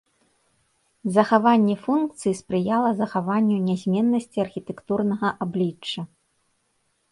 Захаванне функцыі спрыяла захаванню нязменнасці архітэктурнага аблічча.